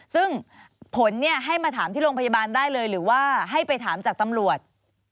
ซึ่งผลให้มาถามที่โรงพยาบาลได้เลยหรือว่าให้ไปถามจากตำรวจ